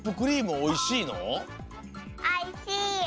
おいしいよ。